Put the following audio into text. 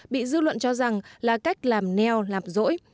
bị dư luận cho rằng là cách làm neo làm rỗi